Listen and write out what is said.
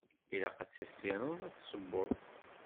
Ilaq ad tissineḍ ad tessewweḍ.